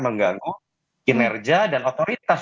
mengganggu kinerja dan otoritas